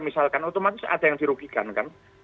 misalkan otomatis ada yang dirugikan kan